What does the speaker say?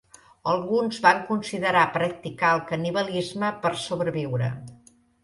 Alguns van considerar practicar el canibalisme per sobreviure.